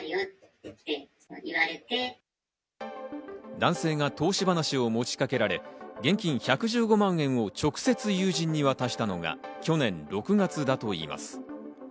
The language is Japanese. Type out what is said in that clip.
男性が投資話を持ちかけられ、現金１１５万円を直接、友人に渡したのが去年６月だといいます。